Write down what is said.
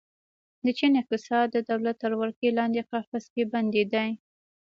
د چین اقتصاد د دولت تر ولکې لاندې قفس کې بندي ده.